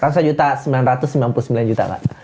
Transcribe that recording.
seratus juta sembilan ratus sembilan puluh sembilan juta pak